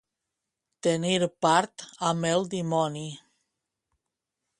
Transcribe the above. Tenir part amb el dimoni.